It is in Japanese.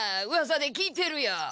うわさで聞いてるよ。